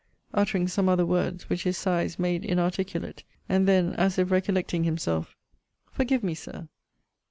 uttering some other words, which his sighs made inarticulate. And then, as if recollecting himself Forgive me, Sir!